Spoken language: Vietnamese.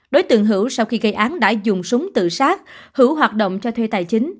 đối tượng hữu sau khi gây án đã dùng súng tự sát hữu hoạt động cho thuê tài chính